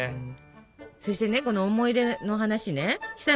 そしてねこの思い出の話ねひさ